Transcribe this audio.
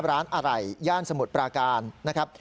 ที่หน้าร้านอะไหล่ย่านสมุทรปราการนะครับ